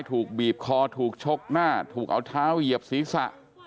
ถูกบีบคอถูกชกหน้าถูกเอาเท้าเหยียบศีรษะ